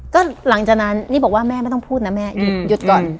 ก็หลังจากนั้นนี่บอกว่าแม่ไม่ต้องพูดนะแม่หยุดก่อน